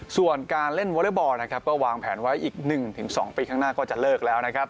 ส่วนการเล่นวอเล็กบอลนะครับก็วางแผนไว้อีก๑๒ปีข้างหน้าก็จะเลิกแล้วนะครับ